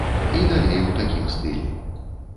І далей у такім стылі.